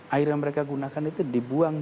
air yang mereka gunakan itu dibuang